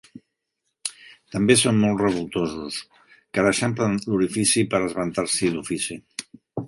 També són molt revoltosos, car eixamplen l'orifici per esventar-s'hi d'ofici.